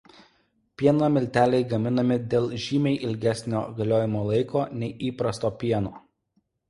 Pieno milteliai gaminami dėl žymiai ilgesnio galiojimo laiko nei įprasto pieno.